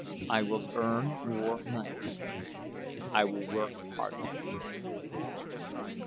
I will earn more money—I will work harder."